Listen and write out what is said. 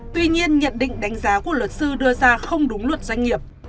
tuy nhiên nhận định đánh giá của luật sư đưa ra không đúng luật doanh nghiệp